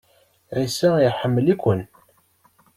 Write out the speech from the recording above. Ɛisa iḥemmel-iken.